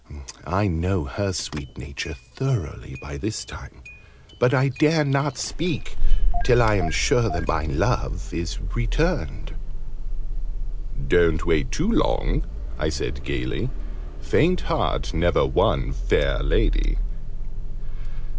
I know her sweet nature, thoroughly, by this time. But I dare not speak till I am sure that my love is returned." "Don't wait too long!" I said gaily. "Faint heart never won fair lady!"